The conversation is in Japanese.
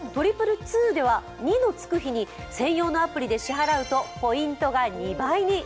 ２２２では２のつく日に専用のアプリで支払うとポイントが２倍に。